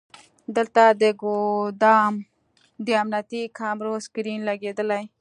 دلته د ګودام د امنیتي کامرو سکرین لګیدلی.